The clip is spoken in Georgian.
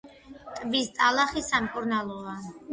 ტბის ტალახი სამკურნალოა.